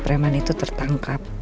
preman itu tertangkap